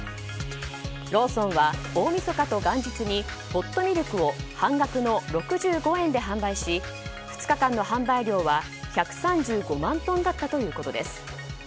ローソンは大みそかと元日にホットミルクを半額の６５円で販売し２日間の販売量は１３５万トンだったということです。